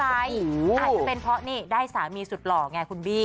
อาจจะเป็นเพราะนี่ได้สามีสุดหล่อไงคุณบี้